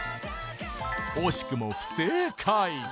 惜しくも不正解！